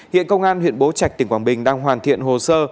hiện công an huyện bố trạch tỉnh quảng bình đang hoàn thiện hồ sơ